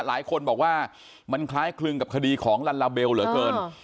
หลายคนบอกว่ามันคล้ายคลึงกับคดีของลัลลาเบลเหลือเกิน